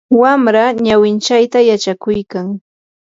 wamra ñawinchayta yachakuykan.